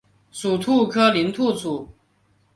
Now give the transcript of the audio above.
属兔科林兔属。